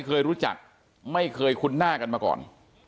เคยรู้จักไม่เคยคุ้นหน้ากันมาก่อน